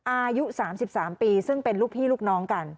อายุ๓๓ปีซึ่งเป็นลูกพี่ลูกน้องกัน